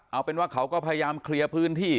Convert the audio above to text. เอาเป็นว่าเขาก็พยายามเคลียร์พื้นที่